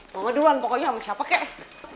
mau gue duluan pokoknya sama siapa kek